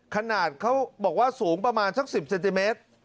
ขนาดเขาบอกว่าสูงประมาณสัก๑๐เซนติเมตร